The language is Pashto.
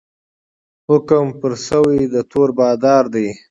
حکم پر سوی د تور بادار دی